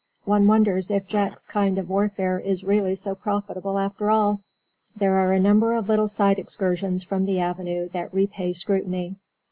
One wonders if Jack's kind of warfare is really so profitable after all. There are a number of little side excursions from the avenue that repay scrutiny.